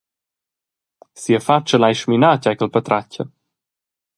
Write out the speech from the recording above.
Sia fatscha lai sminar tgei ch’el patratga.